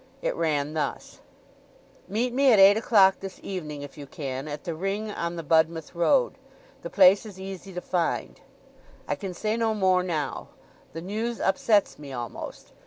It ran thus:— "Meet me at eight o'clock this evening, if you can, at the Ring on the Budmouth road. The place is easy to find. I can say no more now. The news upsets me almost.